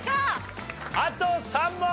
あと３問！